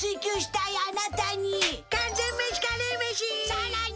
さらに！